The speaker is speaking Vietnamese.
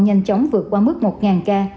nhanh chóng vượt qua mức một ca